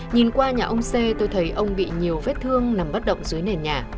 nhìn qua nhà ông xê tôi thấy ông bị nhiều vết thương nằm bất động dưới nền nhà